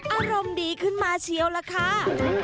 อารมณ์ดีขึ้นมาเชียวล่ะค่ะ